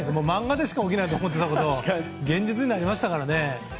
漫画でしか起きないと思ってたことが現実になりましたからね。